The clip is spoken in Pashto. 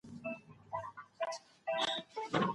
که فشار ډیر سي نو زده کوونکی مایوسه کیږي.